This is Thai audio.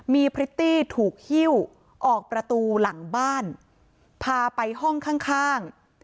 มีพฤติถูกหิ้วออกประตูหลังบ้านพาไปห้องข้าง